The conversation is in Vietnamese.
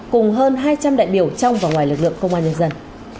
cùng hơn hai trăm linh đại biểu trong và ngoài lực lượng công an nhân dân